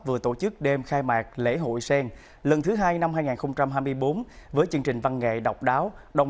vừa tổ chức đêm khai mạc lễ hội sen lần thứ hai năm hai nghìn hai mươi bốn với chương trình văn nghệ độc đáo đồng